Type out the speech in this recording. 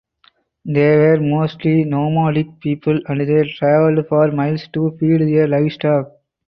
They were mostly nomadic people and they traveled for miles to feed their livestock.